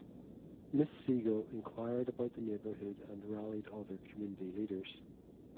Miss Siegel inquired about the neighborhood and rallied other community leaders.